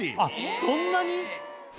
そんなに？